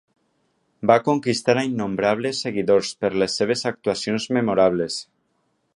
Va conquistar a innombrables seguidors per les seves actuacions memorables.